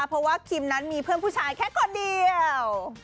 เพราะว่าคิมนั้นมีเพื่อนผู้ชายแค่คนเดียว